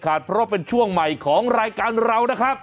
เพราะเป็นช่วงใหม่ของรายการเรานะครับ